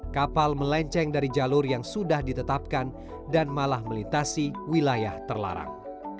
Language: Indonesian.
kapal melenceng dari jalur yang sudah ditetapkan dan malah melintasi wilayah terlarang